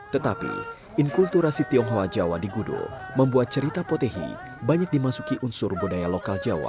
tetapi inkulturasi tionghoa jawa di gudo membuat cerita potehi banyak dimasuki unsur budaya lokal jawa